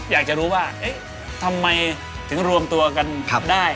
อยากจะรู้ว่าทำไมถึงรวมตัวกันได้